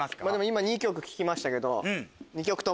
今２曲聴きましたけど。